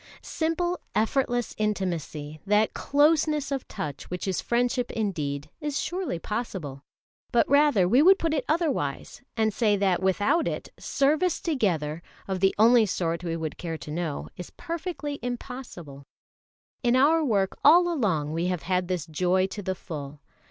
Simple, effortless intimacy, that closeness of touch which is friendship indeed, is surely possible. But rather we would put it otherwise, and say that without it service together, of the only sort we would care to know, is perfectly impossible. [Illustration: SELLAMUTTU AND SUSEELA.] In our work all along we have had this joy to the full.